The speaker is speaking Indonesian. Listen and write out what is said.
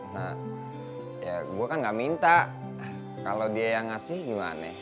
nah ya gue kan gak minta kalau dia yang ngasih gimana